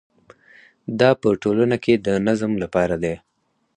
دا په ټولنه کې د نظم لپاره دی.